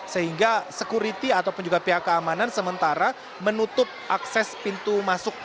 sehingga security ataupun juga pihak keamanan sementara menutup akses pintu masuk